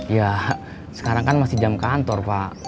ya sekarang kan masih jam kantor pak